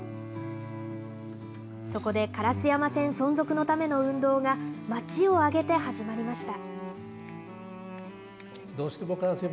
そこで烏山線存続のための運動が、町を挙げて始まりました。